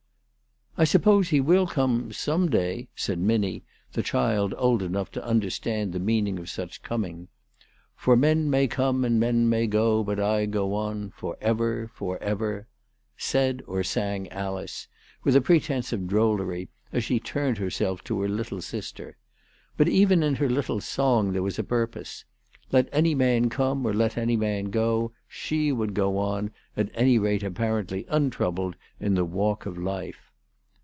" I suppose he will come some day," said Minnie, the child old enough to understand the meaning of such coming. " For men may come and men may go, But I go on for ever, for ever," said or sang Alice, with a pretence of drollery, as she turned herself to her little sister. But even in her little song there was a purpose. Let any man come or let any man go, she would go on, at any rate appa rently untroubled, in her walk of life.